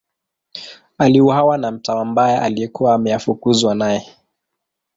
Aliuawa na mtawa mbaya aliyekuwa ameafukuzwa naye.